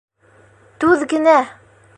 Түҙ генә!